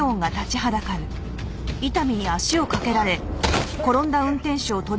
あっ！